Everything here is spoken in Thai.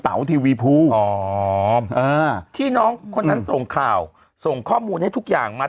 ทีวีภูอ๋อที่น้องคนนั้นส่งข่าวส่งข้อมูลให้ทุกอย่างมา